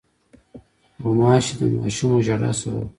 غوماشې د ماشومو ژړا سبب ګرځي.